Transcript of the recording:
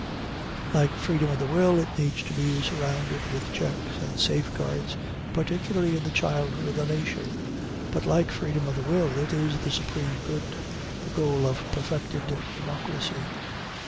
Like freedom of the will, it needs to be surrounded with checks and safeguards, particularly in the childhood of the nation; but, like freedom of the will, it is the supreme good, the goal of perfected democracy.